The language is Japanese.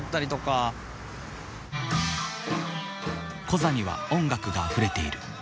コザには音楽があふれている。